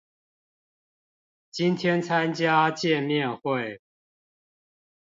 今天參加見面會